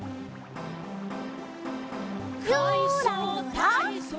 「かいそうたいそう」